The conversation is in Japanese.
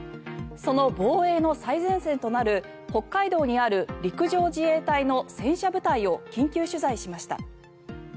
その防衛の最前線となる北海道にある陸上自衛隊の戦車部隊を緊急取材しました。